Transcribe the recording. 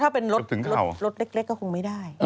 ถ้าเป็นรถเล็กก็คงไม่ได้